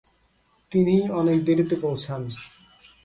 তিনি অনেক দেরিতে পৌঁছান।